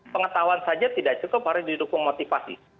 pengetahuan saja tidak cukup harus didukung motivasi